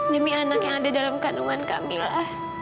demi anak yang ada dalam kandungan kamil